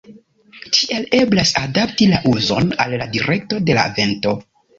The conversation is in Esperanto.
Tiel eblas adapti la uzon al la direkto de la vento.